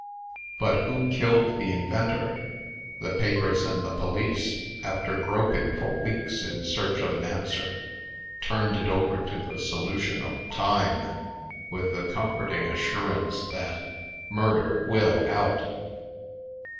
But who killed the inventor? The papers and the police, after groping for weeks in search of the answer, turned it over to the solution of Time, with the comforting assurance that MURDER WILL OUT.